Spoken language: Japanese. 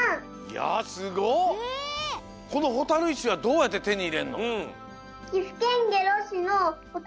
このほたるいしはどうやっててにいれんの？